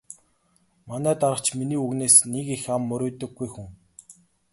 Манай дарга ч миний үгнээс нэг их ам мурийдаггүй хүн.